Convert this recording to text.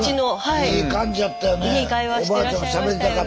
いい会話してらっしゃいましたよね。